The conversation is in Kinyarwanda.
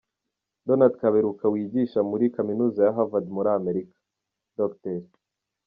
Donald Kaberuka wigisha muri Kaminuza ya Havard muri Amerika, Dr.